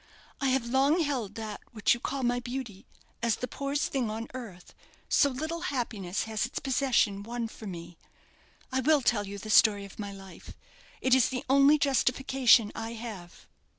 I have long held that which you call my beauty as the poorest thing on earth, so little, happiness has its possession won for me. I will tell you the story of my life. It is the only justification I have."